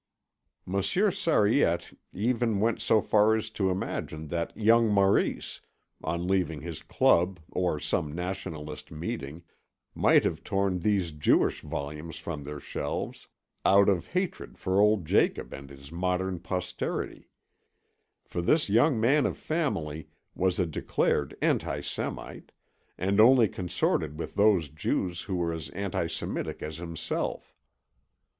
Monsieur Sariette even went so far as to imagine that young Maurice, on leaving his club or some nationalist meeting, might have torn these Jewish volumes from their shelves, out of hatred for old Jacob and his modern posterity; for this young man of family was a declared anti semite, and only consorted with those Jews who were as anti semitic as himself.